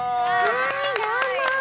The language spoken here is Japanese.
はいどうも！